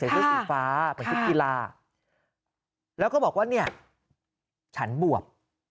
เสื้อสีฟ้าเหมือนชุดกีฬาแล้วก็บอกว่าเนี่ยฉันบวบ